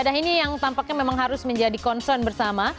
dan ini yang tampaknya memang harus menjadi concern bersama